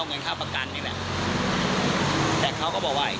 ซึ่งผมก็บอกว่าประหลังแต่พิษจะทำอะไรก็ไปทำ